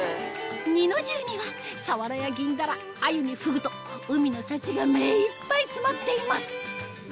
弍の重には鰆や銀鱈鮎にふぐと海の幸が目いっぱい詰まっています